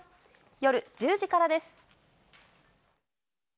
夜１０時からです。